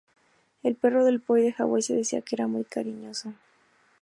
El perro del Poi de Hawai se decía que era muy cariñoso.